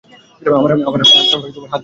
আমরা হাত ধরে ঘাসের মধ্যে ছুটছিলাম।